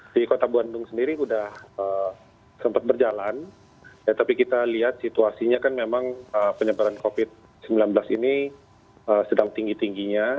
di kota bandung sendiri sudah sempat berjalan tapi kita lihat situasinya kan memang penyebaran covid sembilan belas ini sedang tinggi tingginya